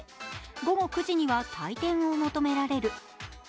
午後９時には退店を求められる。